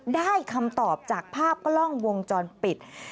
ได้คำตอบจากภาพกล้องวงจรปิด